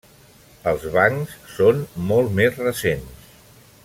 Els bancs són molt més recents.